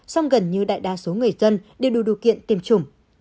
song gần như đại đa số người dân đều đủ điều kiện tiêm chủng